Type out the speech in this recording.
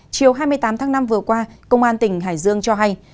chiều hai mươi tám tháng năm vừa qua công an tỉnh hải dương cho hay